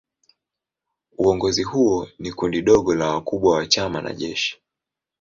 Uongozi huo ni kundi dogo la wakubwa wa chama na jeshi.